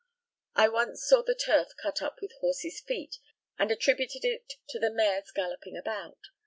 I once saw the turf cut up with horses' feet, and attributed it to the mares galloping about.